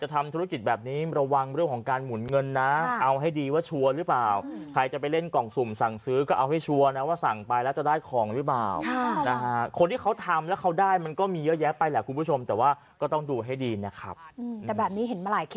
ทุกคนก็เลยกลัวไปหมดตอนนี้